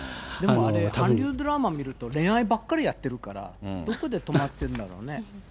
あれ、韓流ドラマ見ると恋愛ばっかりしてるから、どこで止まってるんだろうね。